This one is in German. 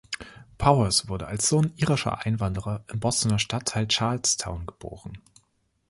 Powers wurde als Sohn irischer Einwanderer im Bostoner Stadtteil Charlestown geboren.